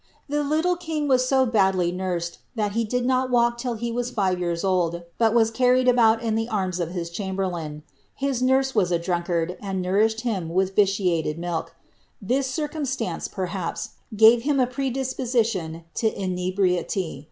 The little king was so badly nursed, that he did not walk till he was Ave years old, but was carried about in tlie arms of his chamberlain. His nurse was a drunkard, and nourished him with vitiated milk. This circumstance, perhaps, gave him a predisposition to inebriety.